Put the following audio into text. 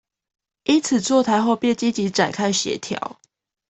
因此座談後便積極展開協調